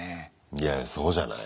いやそうじゃない？